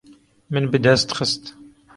Min bi dest xist.